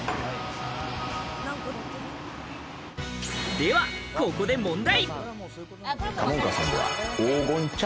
では、ここで問題。